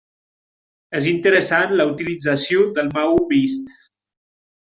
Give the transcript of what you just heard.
És interessant la utilització del maó vist.